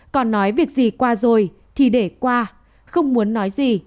còn nói việc gì qua rồi thì để qua không muốn nói gì